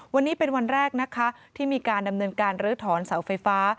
วันนี้เป็นวันแรกนะคะที่มีการดำเนินการลื้อถอนเสาไฟฟ้า